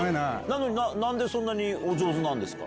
何でそんなにお上手なんですか？